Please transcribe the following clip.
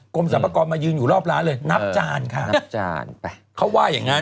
สรรพากรมายืนอยู่รอบร้านเลยนับจานค่ะนับจานไปเขาว่าอย่างงั้น